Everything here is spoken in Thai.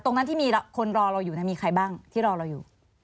ตรงนั้นที่มีคนรอเราอยู่มีใครบ้างที่รอเราอยู่